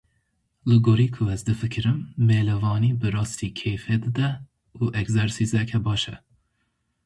Li gorî ku ez difikirim mêlevanî bi rastî kêfê dide û egzersîzeke baş e.